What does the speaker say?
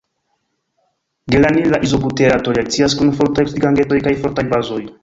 Geranila izobuterato reakcias kun fortaj oksidigagentoj kaj fortaj bazoj.